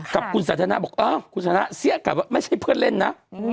กับคุณสาธารณะบอกว่าเอ้าคุณสาธารณะเสียกับไม่ใช่เพื่อนเล่นนะ